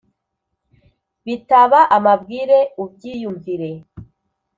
bitaba amabwire ubyiyumvire